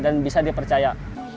dan bisa dipercaya